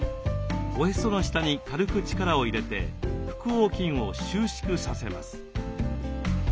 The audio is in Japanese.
おへその下に軽く力を入れて腹横筋を収縮させます。